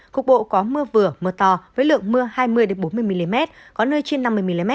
cục bộ có mưa vừa mưa to với lượng mưa hai mươi bốn mươi mm có nơi trên năm mươi mm